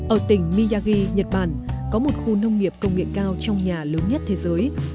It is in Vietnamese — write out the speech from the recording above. ở tỉnh miyagi nhật bản có một khu nông nghiệp công nghệ cao trong nhà lớn nhất thế giới